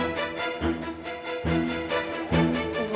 pegang apa itu kamu